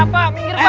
pak pak minggir pak